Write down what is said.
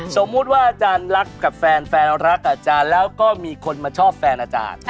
สมมุติว่าอาจารย์รักกับแฟนแฟนรักอาจารย์แล้วก็มีคนมาชอบแฟนอาจารย์